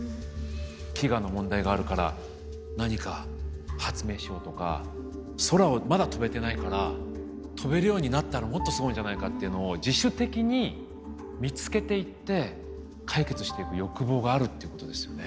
飢餓の問題があるから何か発明しようとか空をまだ飛べてないから飛べるようになったらもっとすごいんじゃないかっていうのを自主的に見つけていって解決していく欲望があるっていうことですよね。